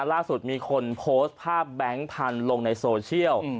ล่าสุดมีคนโพสต์ภาพแบงค์พันธุ์ลงในโซเชียล